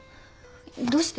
どうして？